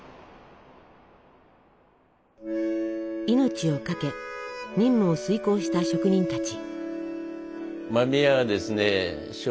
命を懸け任務を遂行した職人たち。